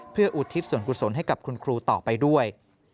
เพื่ออุทิศส่วนกุศลให้กับคุณครูต่อไปด้วย